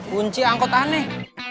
kunci angkot aneh